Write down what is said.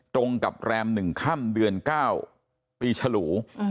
ตรงกับแรม๑ค่ำเดือน๙ปีฉลู